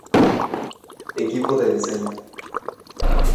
Equipo de diseño